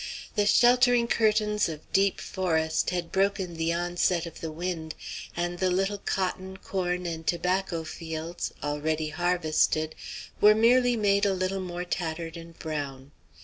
The sheltering curtains of deep forest had broken the onset of the wind, and the little cotton, corn, and tobacco fields, already harvested, were merely made a little more tattered and brown.